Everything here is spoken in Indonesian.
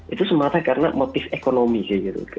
itu semata karena motif ekonomi sih gitu